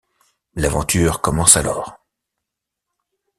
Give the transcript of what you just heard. L'aventure commence alors.